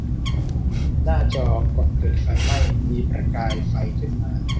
หน้าจอก่อนเกิดไฟไหม้มีประกายไฟขึ้นมา